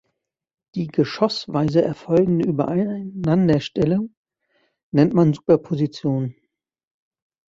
Die geschossweise erfolgende Übereinanderstellung nennt man Superposition.